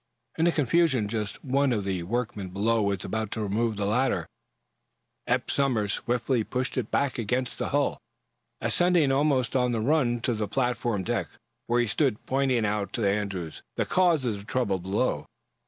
In the confusion, just as one of the workmen below was about to remove the ladder, Eph Somers swiftly pushed it back against the hull, ascending almost on the run to the platform deck, where he stood pointing out to Andrews the cause of the trouble below.